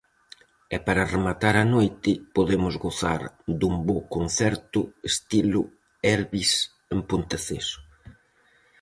E para rematar a noite, podemos gozar dun bo concerto estilo Elvis en Ponteceso.